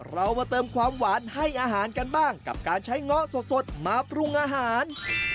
เรามาเติมความหวานให้อาหารกันบ้างกับการใช้เงาะสดมาปรุงอาหาร